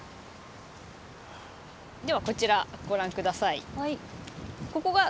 ではこちらご覧下さい。